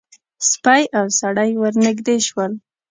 سپی او سړی ور نږدې شول.